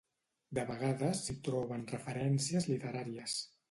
De vegades s'hi troben referències literàries.